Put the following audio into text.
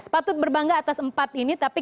patut berbangga atas empat ini tapi